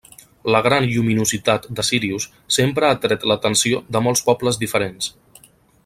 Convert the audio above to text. La gran lluminositat de Sírius sempre ha atret l'atenció de molts pobles diferents.